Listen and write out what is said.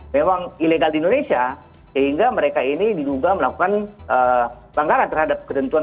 memang ilegal di indonesia sehingga mereka ini diduga melakukan pelanggaran terhadap ketentuan